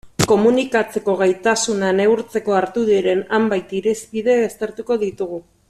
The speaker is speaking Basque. Komunikatzeko gaitasuna neurtzeko hartu diren hainbat irizpide aztertuko ditugu.